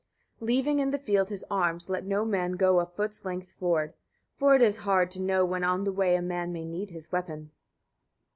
38. Leaving in the field his arms, let no man go a foot's length forward; for it is hard to know when on the way a man may need his weapon.